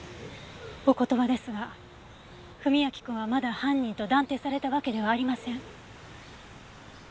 お言葉ですが史明君はまだ犯人と断定されたわけではありません。